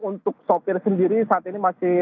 untuk sopir sendiri saat ini masih